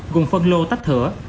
gồm phân lô tách thửa